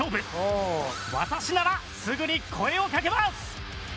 私ならすぐに声をかけます！